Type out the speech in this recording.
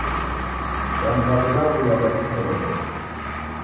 W'andu w'aw'i w'aghuilwagha ni wushoromboto.